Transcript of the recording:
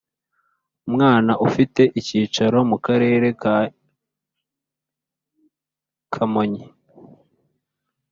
Umwana ufite icyicaro mu karere ka kamonyi